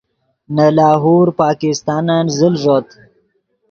نے لاہور پاکستانن زل ݱوت